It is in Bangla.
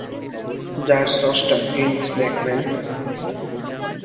যার স্রষ্টা ভিন্স ম্যাকম্যান।